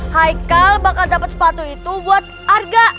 haikal bakal dapat sepatu itu buat arga